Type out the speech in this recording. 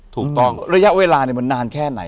อยู่ที่แม่ศรีวิรัยิลครับ